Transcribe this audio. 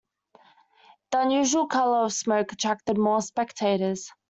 The unusual color of the smoke attracted more spectators.